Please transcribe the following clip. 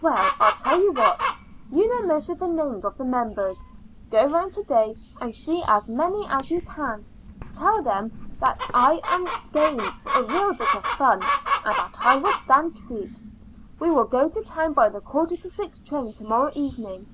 "Well, I tell you what. You know most of the names of the members. Go round to day and see as many as you can. Tell them that I am game for a real bit of fun, and that I will stand treat. We will go to town by the quarter to six train to morrow evening.